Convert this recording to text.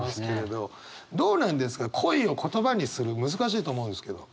どうなんですか恋を言葉にする難しいと思うんですけど。